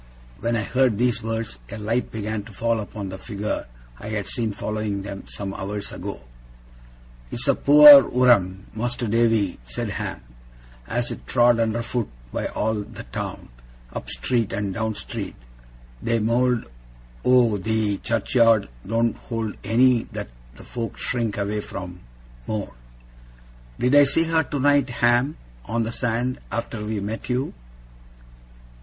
When I heard these words, a light began to fall upon the figure I had seen following them, some hours ago. 'It's a poor wurem, Mas'r Davy,' said Ham, 'as is trod under foot by all the town. Up street and down street. The mowld o' the churchyard don't hold any that the folk shrink away from, more.' 'Did I see her tonight, Ham, on the sand, after we met you?